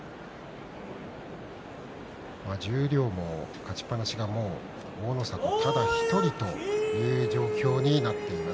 十両の勝ちっぱなしがもう大の里ただ１人という状況になっています。